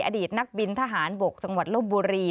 อดีตนักบินทหารบกจังหวัดลบบุรี